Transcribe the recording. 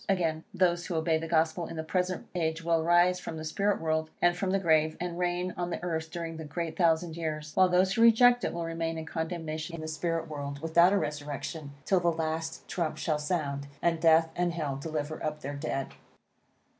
Again, those who obey the Gospel in the present age will rise from the spirit world, and from the grave, and reign on the earth during the great thousand years; while those who reject it will remain in condemnation in the spirit world, without a resurrection, till the last trump shall sound, and death and hell deliver up their dead.